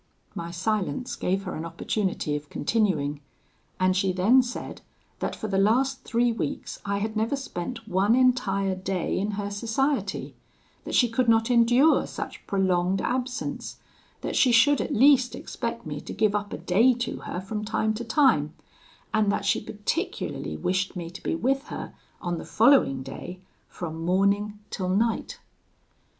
My silence gave her an opportunity of continuing; and she then said that for the last three weeks I had never spent one entire day in her society; that she could not endure such prolonged absence; that she should at least expect me to give up a day to her from time to time, and that she particularly wished me to be with her on the following day from morning till night.